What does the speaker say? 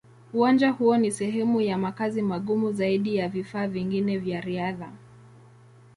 Uwanja huo ni sehemu ya makazi magumu zaidi ya vifaa vingine vya riadha.